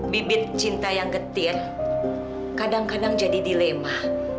bibit cinta yang getir kadang kadang jadi dilema